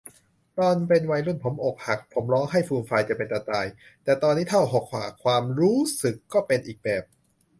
ตอนเป็นวัยรุ่นผมอกหัก ผมร้องไห้ฟูมฟายจะเป็นจะตาย แต่ตอนนี้ถ้าอกหัก ความรู้สึกก็เป็นอีกแบบ